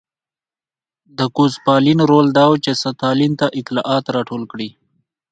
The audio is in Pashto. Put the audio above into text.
د ګوسپلین رول دا و چې ستالین ته اطلاعات راټول کړي